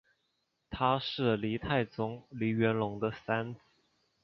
他是黎太宗黎元龙的三子。